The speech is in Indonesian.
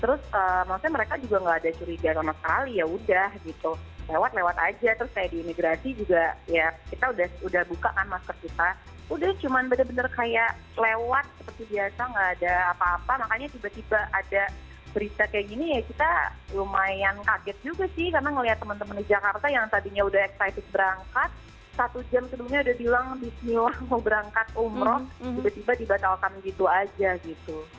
terus makanya mereka juga gak ada curiga sama sekali ya udah gitu lewat lewat aja terus kayak di imigrasi juga ya kita udah buka kan masker kita udah cuman bener bener kayak lewat seperti biasa gak ada apa apa makanya tiba tiba ada berita kayak gini ya kita lumayan kaget juga sih karena ngeliat temen temen di jakarta yang tadinya udah ekspektif berangkat satu jam sebelumnya udah bilang bismillah mau berangkat umroh tiba tiba tiba tiba tau kami gitu aja gitu